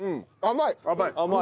甘い。